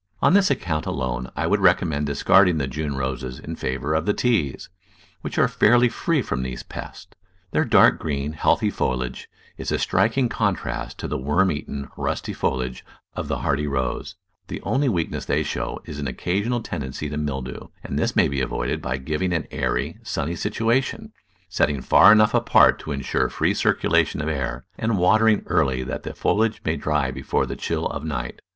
On this account alone I would recommend discarding the June Roses in favour of the Teas, which are fairly free from these pests. Their dark green, healthy foliage is a striking con trast to the worm eaten, rusty foliage of the hardy Digitized by Google TRAINING A CLIMBING ROSE Digitized by Google Digitized by Google Fifteen] ggmmg 3^0g^g »77 Rose. The only weakness they show is an occasional tendency to mildew, and this may be avoided by giv ing an airy, sunny situation, setting far enough apart to insure free circulation of air, and watering early that the foliage may dry before the chill of night.